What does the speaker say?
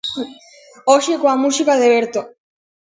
Hoxe, coa música de Berto.